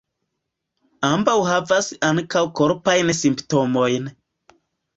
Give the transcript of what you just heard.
Ambaŭ havas ankaŭ korpajn simptomojn.